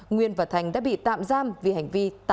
nguyên và thành đã bị tạm giam vì hành vi tái phạm nhiều lần